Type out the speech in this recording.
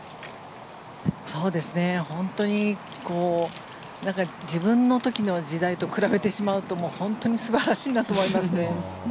本当に自分の時の時代と比べてしまうと本当に素晴らしいなと思いますね。